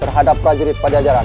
terhadap prajurit pajajaran